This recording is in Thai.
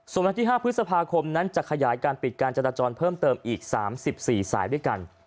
ส่วนมาที่ห้าพฤษภาคมนั้นจะขยายการปิดการจราจรเพิ่มเติมอีกสามสิบสี่สายด้วยกัน